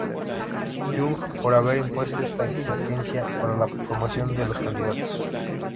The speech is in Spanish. Jung por haber impuesto esta exigencia para la formación de los candidatos.